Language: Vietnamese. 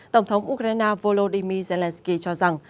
tổng thống ukraine volodymyr zelenskyy cho rằng